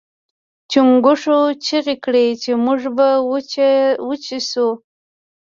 چنګښو چیغې کړې چې موږ به وچې شو.